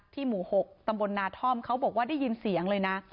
หมู่๖ตำบลนาท่อมเขาบอกว่าได้ยินเสียงเลยนะ